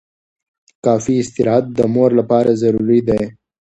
کافي استراحت د مور لپاره ضروري دی.